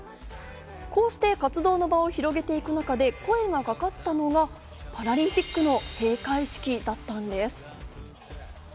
こうして活動の場を広げていく中で声がかかったのがパラリンピックの閉会式だったんです。